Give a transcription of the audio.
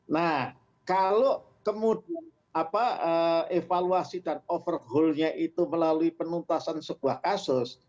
nah kalau kemudian evaluasi dan overhaulnya itu melalui penuntasan sebuah kasus